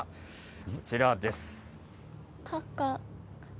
こちらです。